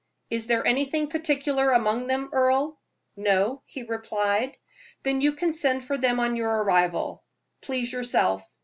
"Is there anything particular among them, Earle?" "No," he replied. "Then you can send for them on your arrival. Please yourself.